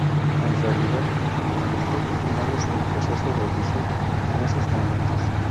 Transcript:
En realidad en los toques finales del proceso de edición en estos momentos.